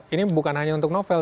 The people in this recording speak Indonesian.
ini bukan hanya untuk novel